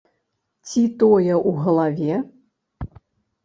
Ці тое ў галаве?